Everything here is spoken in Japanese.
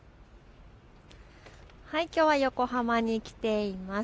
きょうは横浜に来ています。